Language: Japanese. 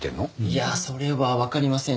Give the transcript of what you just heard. いやそれはわかりません。